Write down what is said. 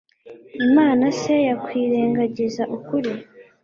imana se yakwirengagiza ukuri